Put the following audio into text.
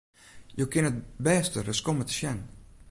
Jo kinne it bêste ris komme te sjen!